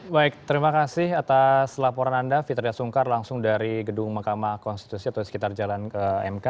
baik terima kasih atas laporan anda fitriya sungkar langsung dari gedung mahkamah konstitusi atau sekitar jalan ke mk